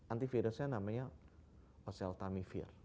antivirusnya namanya oseltamivir